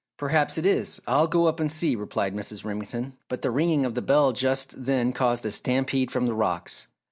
"Perhaps it is, I'll go up and see," replied Mrs. Remington, but the ringing of the bell just then caused a stampede from the rocks.